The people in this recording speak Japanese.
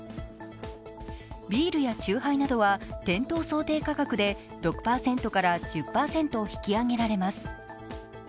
ビールや酎ハイなどは店頭想定価格で６％から１０％を引き上げられます。